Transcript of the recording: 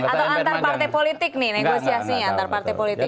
atau antar partai politik nih negosiasinya antar partai politik